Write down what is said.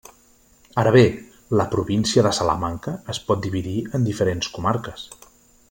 Ara bé, la província de Salamanca es pot dividir en diferents comarques.